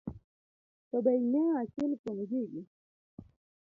To be ing'eyo achiel kuom gigi.